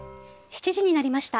７時になりました。